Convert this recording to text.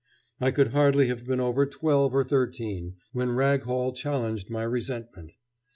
I could hardly have been over twelve or thirteen when Rag Hall challenged my resentment.